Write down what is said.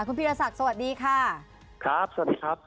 คุณพีรศักดิ์สวัสดีค่ะครับสวัสดีครับ